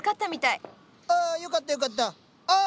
ああよかったよかったあっ！